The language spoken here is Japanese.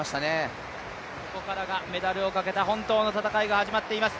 ここからがメダルをかけた本当の戦いが始まっています。